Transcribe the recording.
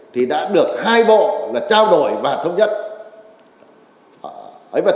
thì đã được hai bộ là trao đổi và thống nhất